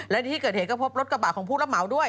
และที่เกิดเหตุก็พบรถกระบะของผู้รับเหมาด้วย